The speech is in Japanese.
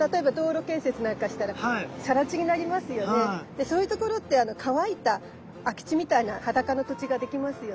でそういう所って乾いた空き地みたいな裸の土地ができますよね。